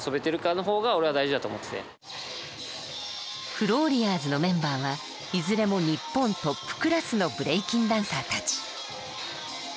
フローリアーズのメンバーはいずれも日本トップクラスのブレイキンダンサーたち。